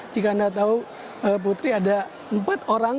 jika anda tahu putri ada empat orang